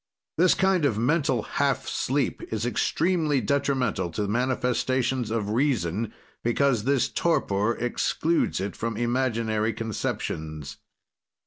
"This kind of mental half sleep is extremely detrimental to manifestations of reason, because this torpor excludes it from imaginary conceptions.